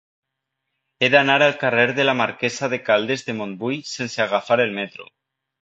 He d'anar al carrer de la Marquesa de Caldes de Montbui sense agafar el metro.